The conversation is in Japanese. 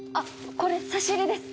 これ差し入れです